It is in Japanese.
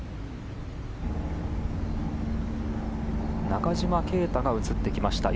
中島啓太が映ってきました。